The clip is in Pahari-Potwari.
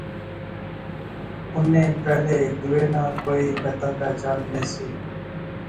انیں پہلے ہیک دوہے ناں کوئی پتہ پچھان نہسی